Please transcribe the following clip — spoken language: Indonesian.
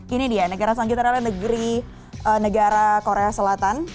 ini dia negara selanjutnya adalah negara korea selatan